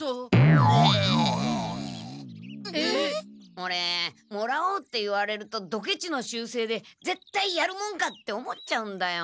オレ「もらおう」って言われるとドケチの習せいで「ぜったいやるもんか」って思っちゃうんだよ。